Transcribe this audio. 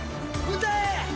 歌え！